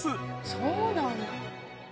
そうなんだ。